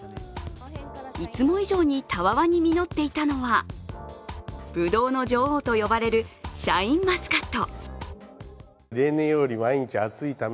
いつも以上に、たわわに実っていたのはぶどうの女王と呼ばれるシャインマスカット。